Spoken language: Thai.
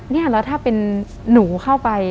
เนี่ยแล้วถ้าเป็นหนูเข้าไป